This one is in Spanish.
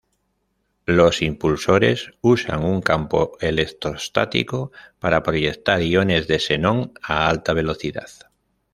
Los impulsores usan un campo electrostático para proyectar iones de xenón a alta velocidad.